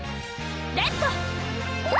レッド！